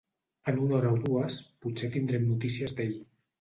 En una hora o dues potser tindrem notícies d'ell.